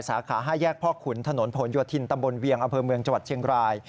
สาขา๕แยกพ่อขุนถนนผลโยธินตำบลเวียงอำเภอเมืองจังหวัดเชียงราย